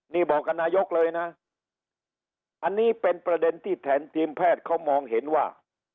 นี่บอกกับนายกเลยนะอันนี้เป็นประเด็นที่แทนทีมแพทย์เขามองเห็นว่า